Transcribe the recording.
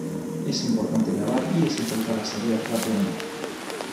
Es importante lavar y desinfectar las heridas rápidamente.